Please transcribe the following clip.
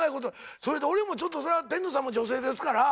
それで俺もちょっとそれは天童さんも女性ですから。